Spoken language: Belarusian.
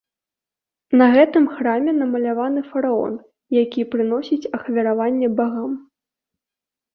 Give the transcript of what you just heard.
На гэтым храме намаляваны фараон, які прыносіць ахвяраванне багам.